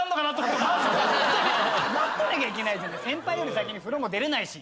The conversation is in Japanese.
待たなきゃいけないじゃない先輩より先に風呂も出れないし。